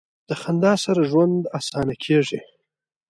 د خندا سره ژوند اسانه کیږي.